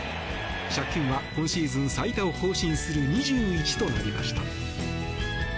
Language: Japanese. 借金は今シーズン最多を更新する２１となりました。